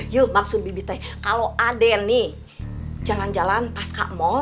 yul maksud bibi teh kalau aden nih jalan jalan pas kak aduh